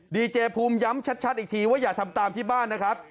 ดีเจภูมิย้ำชัดอีกทีว่าอย่าทำตามที่บ้านนะครับ